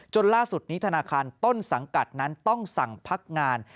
ล่าสุดนี้ธนาคารต้นสังกัดนั้นต้องสั่งพักงาน